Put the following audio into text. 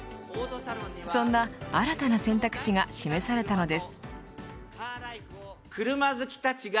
そんな新たな選択肢が示されたのです。